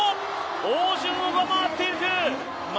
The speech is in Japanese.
汪順を上回っている。